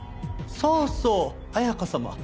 そうそう綾香様。